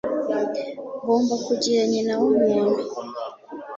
Ngomba kugira nyina w'umuntu.